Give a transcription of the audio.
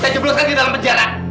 saya jebloskan di dalam penjara